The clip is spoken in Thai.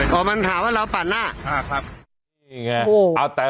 ห่อมันถามแล้วว่าเราปาดหน้า